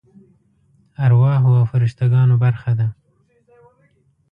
ارواحو او فرشته ګانو برخه ده.